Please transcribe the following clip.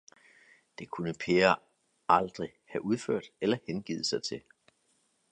Det kunne Peer aldrig have udført eller hengivet sig til.